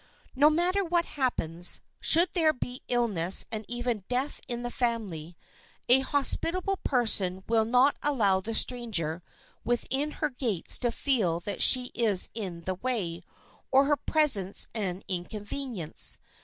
[Sidenote: TRUE HOSPITALITY] No matter what happens—should there be illness and even death in the family—a hospitable person will not allow the stranger within her gates to feel that she is in the way, or her presence an inconvenience.